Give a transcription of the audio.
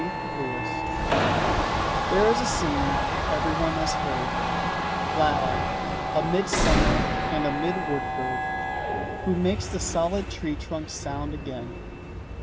THE OVEN BIRD There is a singer everyone has heard, Loud, a mid summer and a mid wood bird, Who makes the solid tree trunks sound again.